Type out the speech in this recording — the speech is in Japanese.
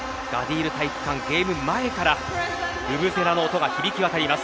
体育館、ゲーム前からブブゼラの音が響き渡ります。